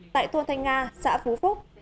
tại thôn thanh nga xã phú phúc